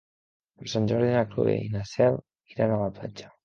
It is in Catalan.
Per Sant Jordi na Cloè i na Cel iran a la platja.